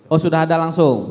oh sudah ada langsung